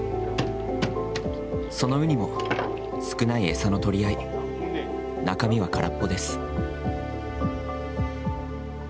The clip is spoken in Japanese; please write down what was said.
そのウニも、少ない餌の取り合い、中身は空っぽです。